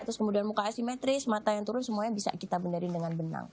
terus kemudian muka asimetris mata yang turun semuanya bisa kita benerin dengan benang